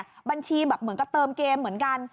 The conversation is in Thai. บัญชีแบบเหมือนกับเติมเกมเหมือนกัน